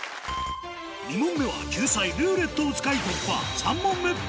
２問目は救済「ルーレット」を使い突破